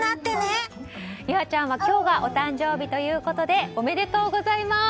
結彩ちゃんは今日がお誕生日ということでおめでとうございます。